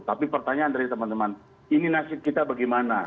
tapi pertanyaan dari teman teman ini nasib kita bagaimana